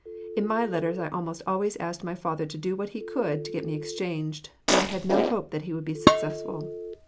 In my letters I almost always asked my father to do what he could to get me exchanged, but I had no hope that he would be successful.